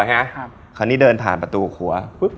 คราวนี้เดินผ่านประตูครัว